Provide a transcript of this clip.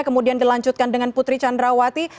kemudian dilanjutkan dengan putri candrawati